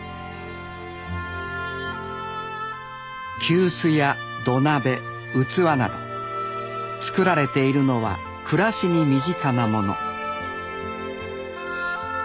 急須や土鍋器など作られているのは暮らしに身近なもの。